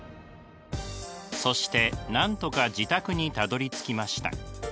そしてなんとか自宅にたどりつきました。